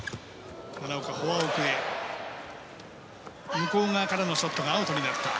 向こう側からのショットがアウトになりました。